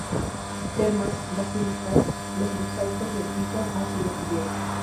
Termas, basílicas, los mosaicos del piso ha sido cubierto.